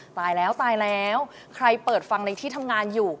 ตายแล้วใครเปิดฟังในที่ทำงานอยู่